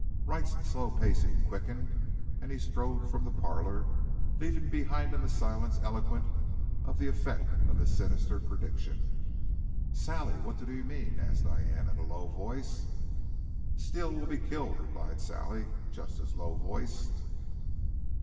Wright's slow pacing quickened and he strode from the parlor, leaving behind him a silence eloquent of the effect of his sinister prediction. "Sally, what did he mean?" asked Diane in a low voice. "Steele will be killed," replied Sally, just as low voiced.